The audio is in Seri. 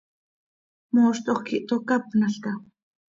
¿Mooztoj quij tocápnalca?